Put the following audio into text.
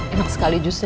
enak sekali jusnya